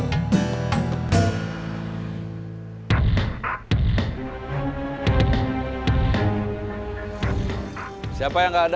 saya pengen pergi belakang saya personal charisma gak ada